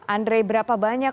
andre berapa banyak